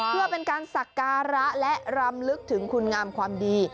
เพื่อเป็นการสักการะและรำลึกถึงคุณงามความดี